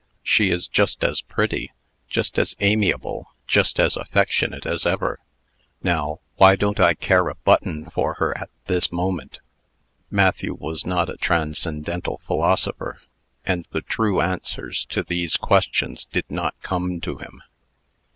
She is just as pretty, just as amiable, just as affectionate as ever. Now, why don't I care a button for her at this moment?" Matthew was not a transcendental philosopher; and the true answers to these questions did not come to him.